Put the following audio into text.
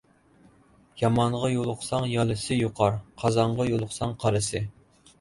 يامانغا يولۇقساڭ يالىسى يۇقار، قازانغا يولۇقساڭ قارىسى.